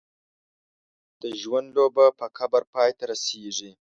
د ژوند لوبه په قبر پای ته رسېږي.